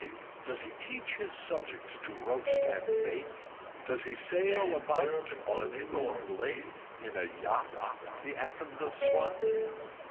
Does he teach his subjects to roast and bake? Does he sail about on an inland lake, in a YACHT, The Akond of Swat?